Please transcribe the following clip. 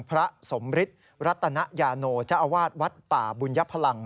พระสมฤทธิ์รัตนยาโนเจ้าอาวาสวัดป่าบุญยพลัง